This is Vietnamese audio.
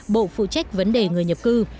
bộ phụ trách vấn đề người nhập cư